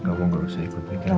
aku gak usah ikut pikiran